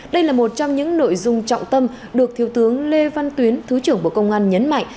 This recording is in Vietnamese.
đây là một trong những nội dung trọng tâm được thiếu tướng lê văn tuyến thứ trưởng bộ công an nhấn mạnh